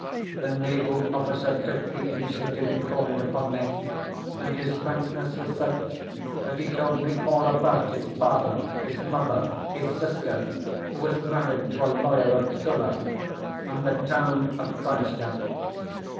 The naval officer took the initiative in calling upon me, and his frankness was such that he told me all about his father, his mother, his sister (who is married to a lawyer of Tula), and the town of Kronstadt.